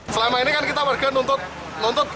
selama ini kan kita warga nuntut nuntut